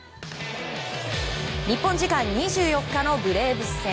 日本時間２４日のブレーブス戦。